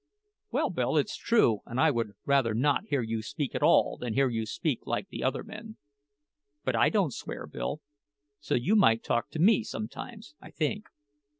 "Well, Bill, that's true, and I would rather not hear you speak at all than hear you speak like the other men. But I don't swear, Bill; so you might talk to me sometimes, I think.